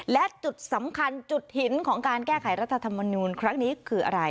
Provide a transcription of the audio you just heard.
และจุดสำคัญจุดหินของการแก้ไขรัฐธรรมนูลครั้งนี้คืออะไร